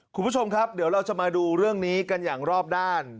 คุณผู้ชมครับเดี๋ยวเราจะมาดูเรื่องนี้กันอย่างรอบด้าน